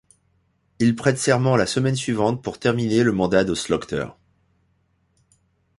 Il prête serment la semaine suivante pour terminer le mandat de Slaughter.